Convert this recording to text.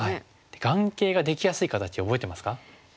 眼形ができやすい形覚えてますか？